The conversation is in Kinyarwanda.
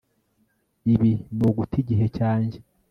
Ibi ni uguta igihe cyanjye